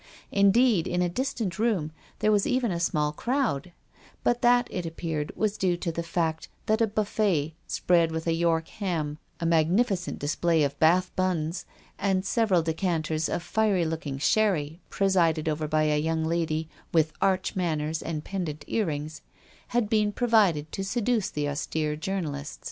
Indeed, in a distant room there was even a small crowd ; but that, it transpired, was due to the fact that a buffet spread with a boiled ham, a magnificent dis 175 176 THE STOBY OF* A MODERN WOMAN. play of Bath buns, and several decanters of fiery looking sherry, presided over by a young lady with arch manners and pendant earrings, had been provided to seduce the austere journalist.